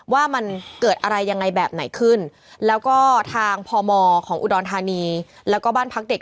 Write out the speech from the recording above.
ว่ามันเกิดอะไรยังไงแบบไหนขึ้นแล้วก็ทางพมของอุดรธานีแล้วก็บ้านพักเด็ก